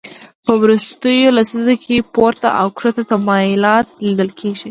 په وروستیو لسیزو کې پورته او کښته تمایلات لیدل کېږي